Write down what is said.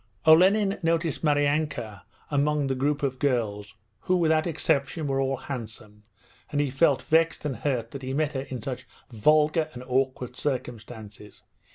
Olenin noticed Maryanka among the group of girls, who without exception were all handsome, and he felt vexed and hurt that he met her in such vulgar and awkward circumstances.